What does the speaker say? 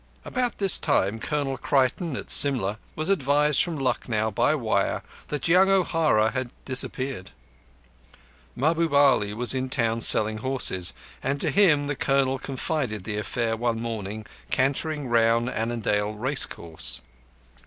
About this time Colonel Creighton at Simla was advised from Lucknow by wire that young O'Hara had disappeared. Mahbub Ali was in town selling horses, and to him the Colonel confided the affair one morning cantering round Annandale racecourse.